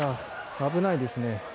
危ないですね。